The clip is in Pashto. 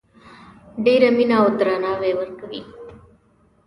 ډیره مینه او درناوی ورکوي